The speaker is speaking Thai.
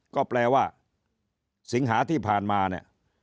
ก็แปลว่าสิงหาที่ผ่านมาเนี่ย